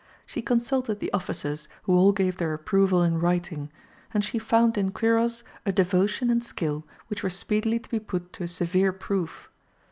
She consulted the officers, who all gave their approval in writing; and she found in Quiros a devotion and skill which were speedily to be put to a severe proof.